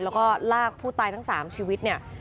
แล้วก็ลากผู้ตายทั้ง๓ชีวิตเนี่ย